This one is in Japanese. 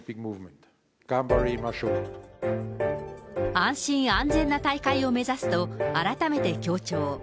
安心安全な大会を目指すと改めて強調。